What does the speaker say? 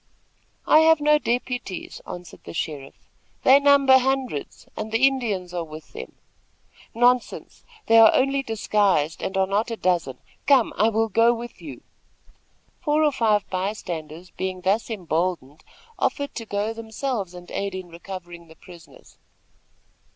"I have no deputies," answered the sheriff. "They number hundreds, and the Indians are with them." "Nonsense! They are only disguised, and are not a dozen. Come! I will go with you." Four or five by standers, being thus emboldened, offered to go themselves and aid in recovering the prisoners.